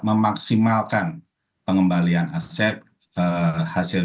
memaksimalkan pengembalian aset hasil